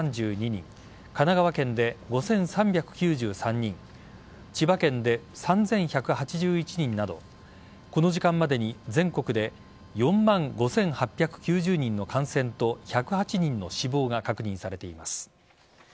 神奈川県で５３９３人千葉県で３１８１人などこの時間までに、全国で４万５８９０人の感染と１０８人の死亡が確認されています。